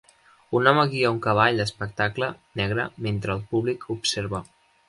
Un home guia un cavall d'espectacle negre mentre el públic observa.